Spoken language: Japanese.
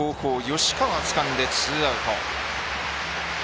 吉川つかんで、ツーアウト。